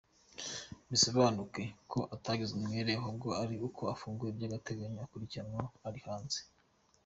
Bisobanuke ko atagizwe umwere ahubwo ari uko afunguwe by’agateganyo agakurikiranwa ari hanze.